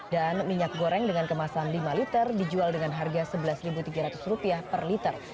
dan minyak goreng dengan kemasan lima liter dijual dengan harga rp sebelas tiga ratus per liter